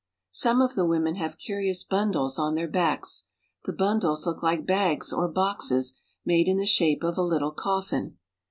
Some of the women have curious bundles on their backs. The bundles look like bags, or boxes made in the shape of a little coffin.